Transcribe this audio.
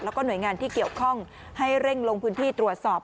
แล้วก็หน่วยงานที่เกี่ยวข้องให้เร่งลงพื้นที่ตรวจสอบ